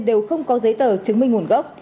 đều không có giấy tờ chứng minh nguồn gốc